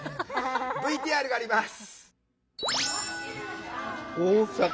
ＶＴＲがあります。